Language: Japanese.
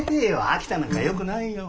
秋田なんかよくないよ。